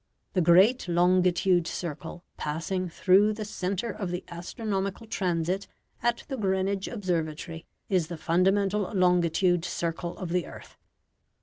The great longitude circle passing through the centre of the astronomical transit at the Greenwich observatory is the fundamental longitude circle of the earth.